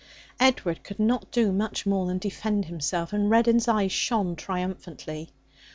Edward could not do much more than defend himself, and Reddin's eyes shone triumphantly.